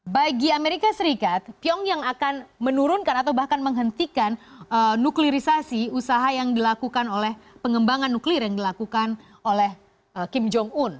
bagi amerika serikat pyongyang akan menurunkan atau bahkan menghentikan nuklirisasi usaha yang dilakukan oleh pengembangan nuklir yang dilakukan oleh kim jong un